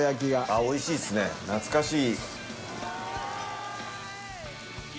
おいしいっすね懐かしい。